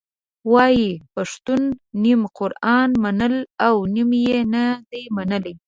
وایي پښتنو نیم قرآن منلی او نیم یې نه دی منلی.